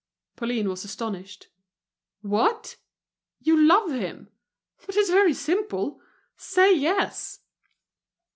Pauline was astonished. "What! you love him? But it's very simple: say yes."